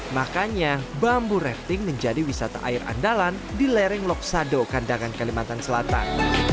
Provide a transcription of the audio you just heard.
makanya bambu rafting menjadi wisata air andalan di lereng loksado kandangan kalimantan selatan